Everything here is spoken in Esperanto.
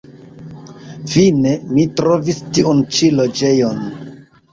Fine mi trovis tiun ĉi loĝejon.